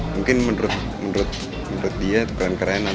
mungkin menurut dia itu keren kerenan